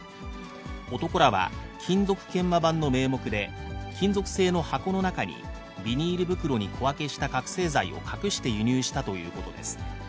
男らは金属研磨盤の名目で、金属製の箱の中にビニール袋に小分けした覚醒剤を隠して輸入したということです。